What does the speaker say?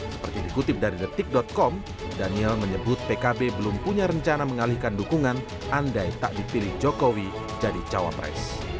seperti dikutip dari detik com daniel menyebut pkb belum punya rencana mengalihkan dukungan andai tak dipilih jokowi jadi cawapres